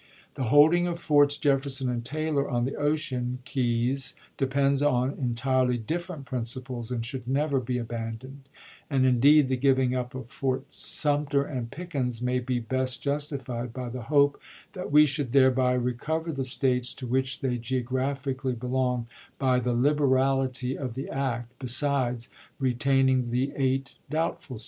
The holding of Forts Jefferson and Taylor on the ocean keys depends on entirely different principles, and should never be abandoned ; and indeed the giving up of Forts Sumter aud Pickens may be best justified by the hope that we should thereby recover the States to which they geograph ically belong by the liberality of the act, besides retaining the eight doubtful States.